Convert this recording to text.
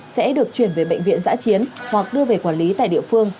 sẽ được chuyển về bệnh viện giã chiến hoặc đưa về quản lý tại địa phương